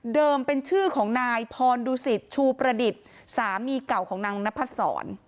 เป็นชื่อของนายพรดูสิตชูประดิษฐ์สามีเก่าของนางนพัดศร